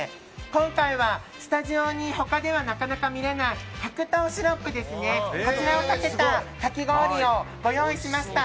今回は、スタジオに他ではなかなか見られない白桃シロップをかけた、かき氷をご用意しました。